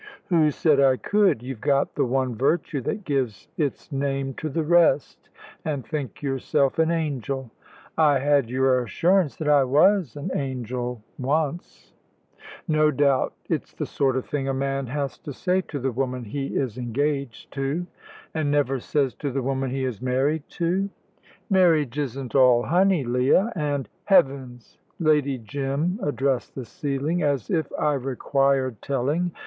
"Who said I could? You've got the one virtue that gives its name to the rest, and think yourself an angel." "I had your assurance that I was an angel once." "No doubt. It's the sort of thing a man has to say to the woman he is engaged to." "And never says to the woman he is married to!" "Marriage isn't all honey, Leah, and " "Heavens!" Lady Jim addressed the ceiling; "as if I required telling.